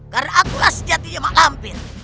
karena akulah sejatinya mak lampir